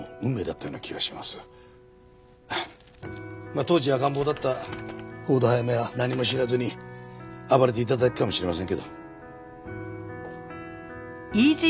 まあ当時赤ん坊だった幸田早芽は何も知らずに暴れていただけかもしれませんけど。